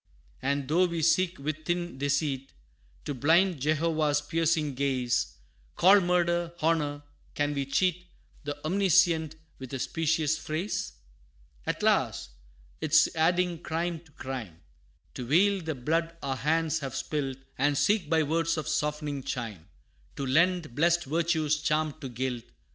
And though we seek with thin deceit, To blind Jehovah's piercing gaze, Call murder, honor, can we cheat The Omniscient with a specious phrase? Alas! 'tis adding crime to crime, To veil the blood our hands have spilt, And seek by words of softening chime, To lend blest virtue's charm to guilt.